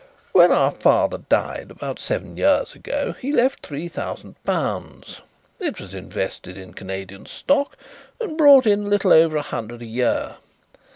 "When our father died about seven years ago, he left three thousand pounds. It was invested in Canadian stock and brought in a little over a hundred a year.